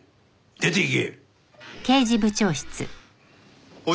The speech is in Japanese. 出て行け。